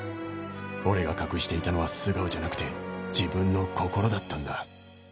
「俺が隠していたのは素顔じゃなくて自分の心だったんだ」